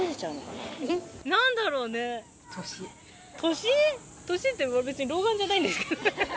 年？年って別に老眼じゃないんですけど。